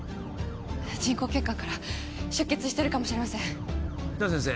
人工血管から出血してるかもしれません比奈先生